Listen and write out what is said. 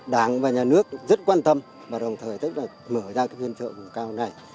đảng và nhà nước rất quan tâm và đồng thời rất là mở ra cái huyện chợ vùng cao này